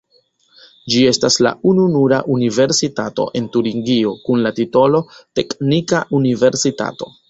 Ĝi estas la ununura universitato en Turingio kun la titolo "teknika universitato".